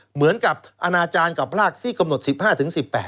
เหมือนกับอนาจารย์กับพรากที่กำหนด๑๕ถึง๑๘